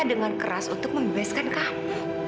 dengan keras untuk membebaskan kamu